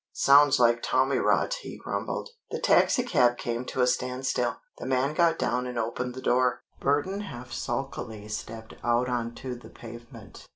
"Sounds like tommyrot," he grumbled. The taxicab came to a standstill. The man got down and opened the door. Burton half sulkily stepped out on to the pavement.